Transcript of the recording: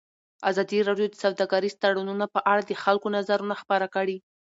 ازادي راډیو د سوداګریز تړونونه په اړه د خلکو نظرونه خپاره کړي.